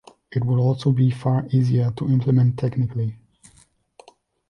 It would also be far easier to implement technically.